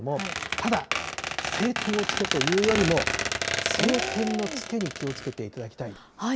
ただ、青天を衝けというよりも、晴天の付けに気をつけていただきたい。